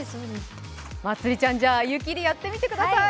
まつりちゃん、湯切りやってみてください！